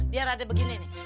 biar ada begini nih